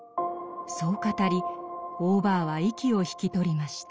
そう語りオーバーは息を引き取りました。